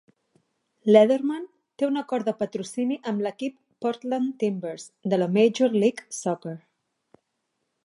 Leatherman té un acord de patrocini amb l'equip Portland Timbers, de la Major League Soccer.